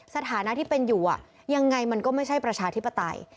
สถานะที่เป็นอยู่ยังไงมันก็ไม่ใช่ประชาธิปไตย